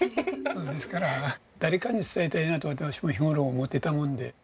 ですから誰かに伝えたいなと私も日頃思ってたもんで。